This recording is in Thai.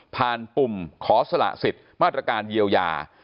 ปุ่มขอสละสิทธิ์มาตรการเยียวยา